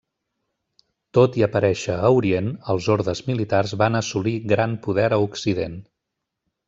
Tot i aparèixer a Orient els ordes militars van assolir gran poder a Occident.